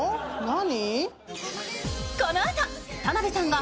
何？